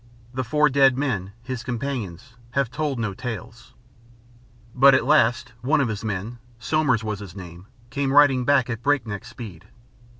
The four dead men, his companions, have told no tales. But at last, one of his men Somers was his name came riding back at break neck speed.